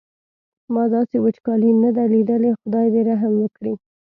ما داسې وچکالي نه ده لیدلې خدای دې رحم وکړي.